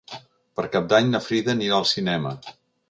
Per Cap d'Any na Frida anirà al cinema.